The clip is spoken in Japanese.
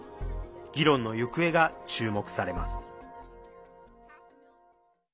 議論の行方が注目されます。